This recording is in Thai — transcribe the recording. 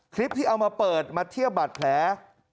คลิปที่เอามาเปิดมาเทียบบาดแผล